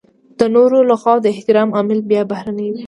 د نورو لخوا د احترام عامل بيا بهرنی وي.